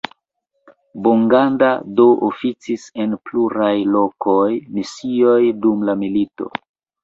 Boganda do oficis en pluraj lokaj misioj dum la milito.